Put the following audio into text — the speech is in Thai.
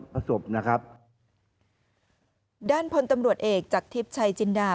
ผสมนะครับด้านพลตำรวจเอกจากทริปชัยจินดา